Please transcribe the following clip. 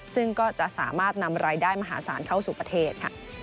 ซึ่งก็จะสามารถนำรายได้มหาศาลเข้าสู่ประเทศ